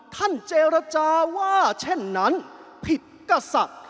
ท่านเจรจาว่าเช่นนั้นผิดกษัตริย์